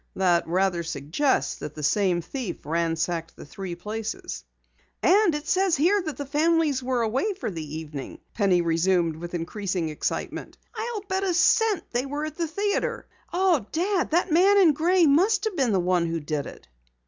That rather suggests that the same thief ransacked the three places." "And it says here that the families were away for the evening!" Penny resumed with increasing excitement. "I'll bet a cent they were at the theatre! Oh, Dad, that man in gray must have been the one who did it!"